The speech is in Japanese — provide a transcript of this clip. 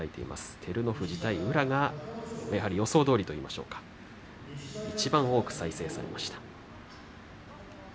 照ノ富士と宇良が予想どおりといいましょうかいちばん多く再生されました。